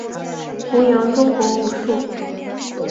宏杨中国武术。